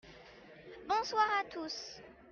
bonsoir à tous.